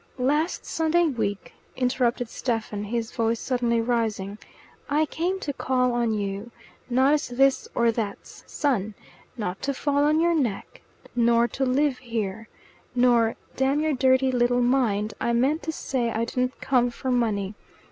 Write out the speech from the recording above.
"Last Sunday week," interrupted Stephen, his voice suddenly rising, "I came to call on you. Not as this or that's son. Not to fall on your neck. Nor to live here. Nor damn your dirty little mind! I meant to say I didn't come for money.